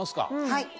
はい。